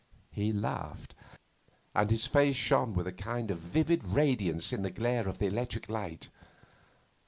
He laughed, and his face shone with a kind of vivid radiance in the glare of the electric light.